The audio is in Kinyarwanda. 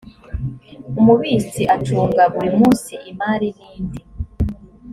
umubitsi acunga buri munsi imari n indi